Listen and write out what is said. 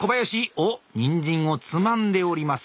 おっニンジンをつまんでおります。